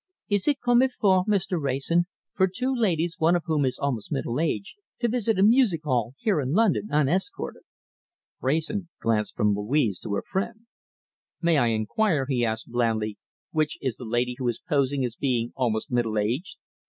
Is it comme il faut, Mr. Wrayson, for two ladies, one of whom is almost middle aged, to visit a music hall here in London unescorted?" Wrayson glanced from Louise to her friend. "May I inquire," he asked blandly, "which is the lady who is posing as being almost middle aged?"